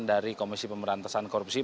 dari komisi pemberantasan korupsi